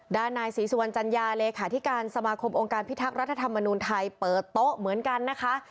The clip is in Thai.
ด้านนายศรีสุวรรณจัญญาเลขาธิการสมาคมองค์การพิทักษ์รัฐธรรมนุนไทยเปิดโต๊ะเหมือนกันนะคะ